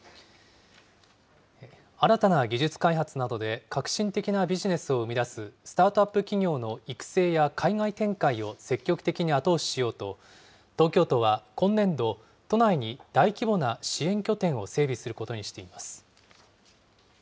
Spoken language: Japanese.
新たな技術開発などで革新的なビジネスを生み出すスタートアップ企業の育成や海外展開を積極的に後押ししようと、東京都は今年度、都内に大規模な支援拠点を整備することにしています。